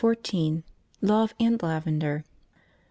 Love and lavender.